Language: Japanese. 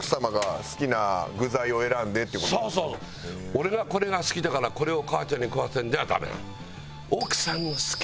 「俺がこれが好きだからこれを母ちゃんに食わせる」じゃダメなの。